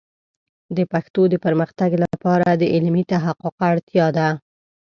د پښتو د پرمختګ لپاره د علمي تحقیق اړتیا ده.